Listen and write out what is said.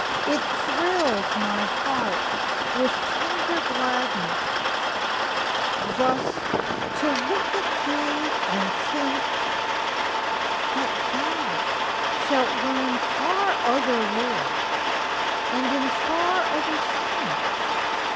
it thrills my heart With tender gladness, thus to look at thee, And think that thou shalt learn far other lore, And in far other scenes!